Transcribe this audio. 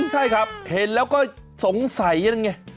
ใช่ครับเห็นแล้วก็สงสัยนั่นไง